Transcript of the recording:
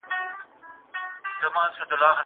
که ته مرسته وکړې نو زه به ډېر خوشحاله سم .